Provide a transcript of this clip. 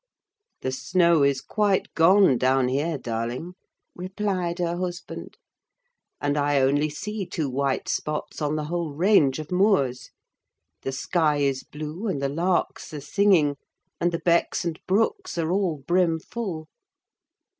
"The snow is quite gone down here, darling," replied her husband; "and I only see two white spots on the whole range of moors: the sky is blue, and the larks are singing, and the becks and brooks are all brim full.